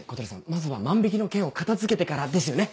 まずは万引の件を片付けてからですよね？